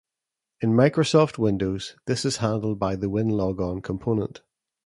In Microsoft Windows this is handled by the Winlogon component.